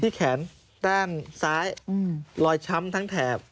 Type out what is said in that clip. แขนด้านซ้ายรอยช้ำทั้งแถบ